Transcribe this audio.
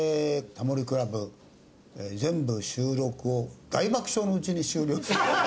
『タモリ倶楽部』全部収録を大爆笑のうちに終了。